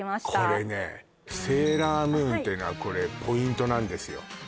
これね「セーラームーン」ってのはポイントなんですよ